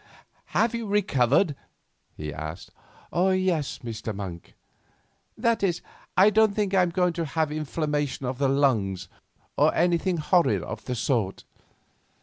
"Have you recovered?" he asked. "Yes, Mr. Monk; that is, I don't think I am going to have inflammation of the lungs or anything horrid of the sort.